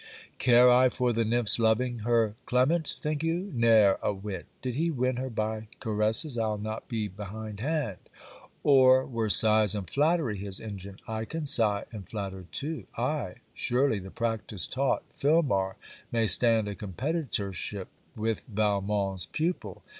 Care I for the nymph's loving her Clement, think you? ne'er a whit! Did he win her by caresses, I'll not be behind hand. Or were sighs and flattery his engine, I can sigh and flatter too. Aye, surely the practice taught Filmar may stand a competitorship with Valmont's pupil.